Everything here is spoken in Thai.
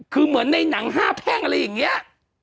คือเหมือนในหนัง๕แพ่งอะไรอย่างนี้